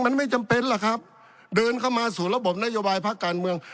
มันไม่จำเป็นล่ะครับเดินเข้ามาสู่ระบบนโยบายพักการเมือง